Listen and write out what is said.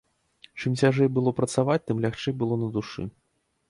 Чым цяжэй было працаваць, тым лягчэй было на душы.